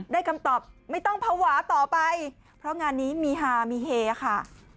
คำตอบไม่ต้องภาวะต่อไปเพราะงานนี้มีฮามีเฮค่ะ